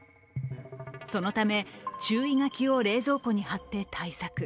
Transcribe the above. そのため注意書きを冷蔵庫に貼って対策。